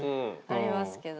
ありますけど。